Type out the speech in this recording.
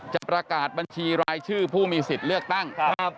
จะประกาศบัญชีรายชื่อผู้มีสิทธิ์เลือกตั้ง